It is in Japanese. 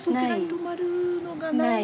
ない？